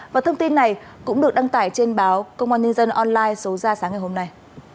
và thông tin này cũng được đăng tải trên báo công an nhân dân online số ra sáng ngày hôm nay